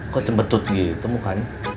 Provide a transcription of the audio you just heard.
kok cempetut gitu mukanya